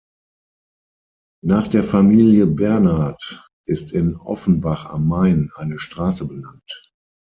Nach der Familie Bernard ist in Offenbach am Main eine Straße benannt.